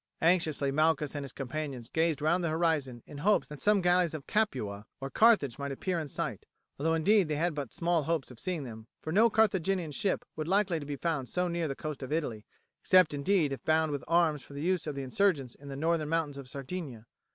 Anxiously Malchus and his companions gazed round the horizon in hopes that some galleys of Capua or Carthage might appear in sight, although indeed they had but small hopes of seeing them, for no Carthaginian ship would be likely to be found so near the coast of Italy, except indeed if bound with arms for the use of the insurgents in the northern mountains of Sardinia.